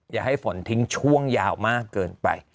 อย่าให้ฝนทิ้งช่วงยาวมากเกินไป